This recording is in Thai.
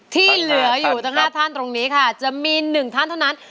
ที่เหลืออยู่ทั้ง๕ท่านตรงนี้ค่ะจะมี๑ท่านเท่านั้น